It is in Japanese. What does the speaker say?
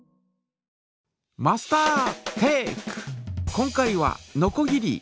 今回はのこぎり。